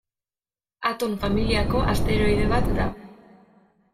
Aton familiako asteroide bat da.